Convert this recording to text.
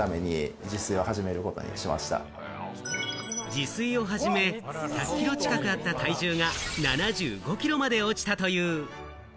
自炊を始め、１００キロ近くあった体重が７５キロまで落ちたという。